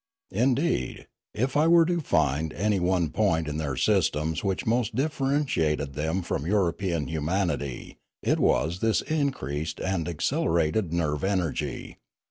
Indeed, if I were to find any one point in their systems which most differentiated them from European humanity, it was this increased and ac celerated nerve energy.